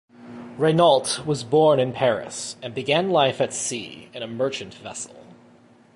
Regnault was born in Paris, and began life at sea in a merchant vessel.